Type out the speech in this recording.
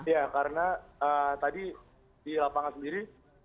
ya karena tadi di lapangan sendiri